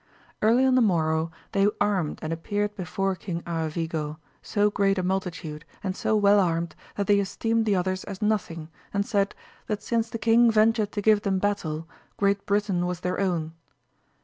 Early on the morrow they armed and appeared before King Aravigo, so great a multitude, and so well armed, that they esteemed the others as nothing, and said, that since the king ventured to give them . battle, Great Britain was their own.